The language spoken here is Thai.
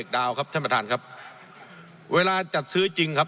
ท่านประธานครับเวลาจัดซื้อจริงครับ